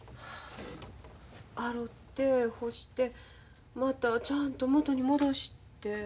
洗って干してまたちゃんと元に戻して。